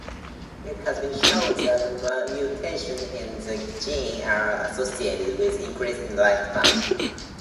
It has been shown that mutations in the gene are associated with increased lifespan.